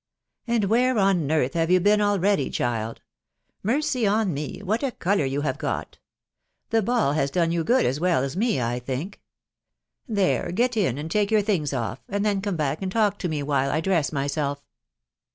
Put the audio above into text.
" At^1 where on eartit have y^^boettalteady, (^1^'? Merey^ on me, what a colour you have got !.* Tba ball has done you* good as well as me, I think. There; gat. in. and. take your things off* and then seme back awl talk te* me while If dress myself."'